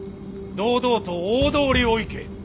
堂々と大通りを行け。